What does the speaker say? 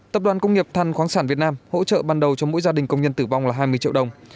tập đoàn công nghiệp than khoáng sản việt nam hỗ trợ ban đầu cho mỗi gia đình công nhân tử vong là hai mươi triệu đồng